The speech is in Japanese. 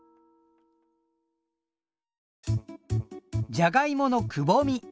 じゃがいものくぼみ。